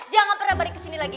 jangan pernah balik kesini lagi